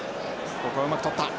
ここはうまくとった。